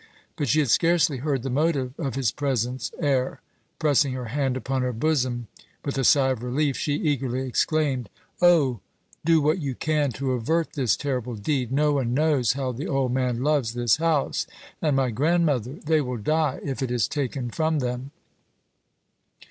But she had scarcely heard the motive of his presence ere, pressing her hand upon her bosom with a sigh of relief, she eagerly exclaimed: "Oh, do what you can to avert this terrible deed! No one knows how the old man loves this house. And my grandmother! They will die if it is taken from them."